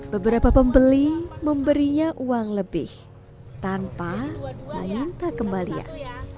beberapa pembeli memberinya uang lebih tanpa meminta kembalian